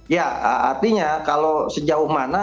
ya artinya kalau sejauh mana